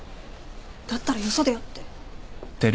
だったらよそでやって。